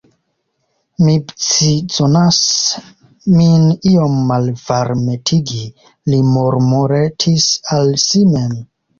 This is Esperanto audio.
Mi bczonas min iom malvarmetigi, li murmuretis al si mem.